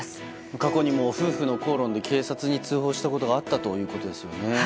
過去にも夫婦の口論で警察に通報したことがあったということですよね。